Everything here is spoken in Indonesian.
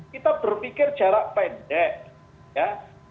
kita berpikir jarak pendek ya